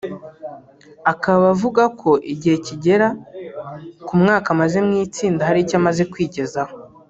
Akaba avuga ko igihe kigera ku mwaka amaze mu itsinda hari icyo amaze kwigezaho